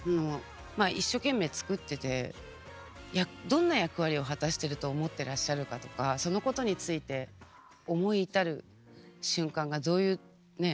まあ一所懸命作っててどんな役割を果たしてると思ってらっしゃるかとかそのことについて思い至る瞬間がどういうねえ。